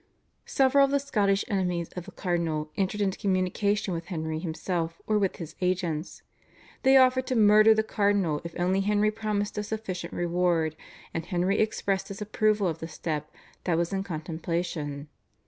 Several of the Scottish enemies of the cardinal entered into communication with Henry himself or with his agents. They offered to murder the cardinal if only Henry promised a sufficient reward, and Henry expressed his approval of the step that was in contemplation.